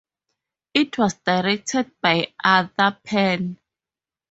It was directed by Arthur Penn.